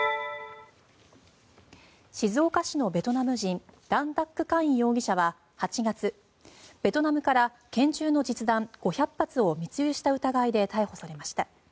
静岡市のベトナム人ダン・ダック・カイン容疑者は８月、ベトナムから拳銃の実弾５００発を密輸した疑いで逮捕されました。